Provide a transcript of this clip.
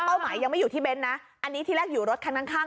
เป้าหมายอยู่ที่เบ้นท์นะอันนี้ในแรกอยู่รถขันข้าง